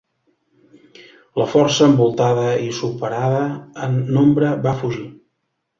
La força envoltada i superada en nombre va fugir.